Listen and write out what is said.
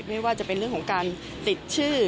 ไม่ว่าจะเป็นเรื่องของการติดชื่อ